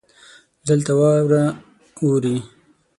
دلته واوره اوري.